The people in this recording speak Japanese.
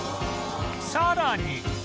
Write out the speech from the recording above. さらに